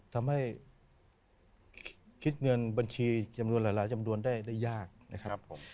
ทำให้คิดเงินบัญชีจำนวนหลายจำนวนได้ยากนะครับผม